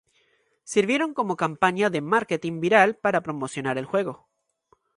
Sirvieron como campaña de márketing viral para promocionar el juego.